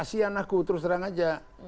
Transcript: kasian aku terus terang aja